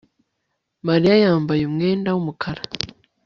Mariya yambaye umwenda wumukara